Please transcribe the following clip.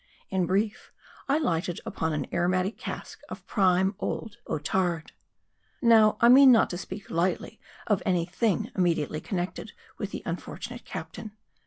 In brief, I lighted upon an aromatic cask of prime old Otard. Now, I mean not to speak lightly of any thing imme diately connected with the unfortunate captain.